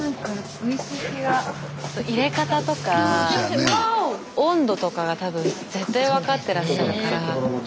スタジオ温度とかが多分絶対分かってらっしゃるから。